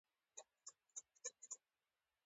که نن بیا عبدالله ته د بهرنیو چارو وزارت وړاندې شي.